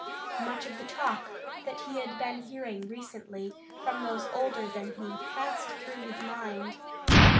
Much of the talk that he had been hearing recently from those older than he passed through his mind.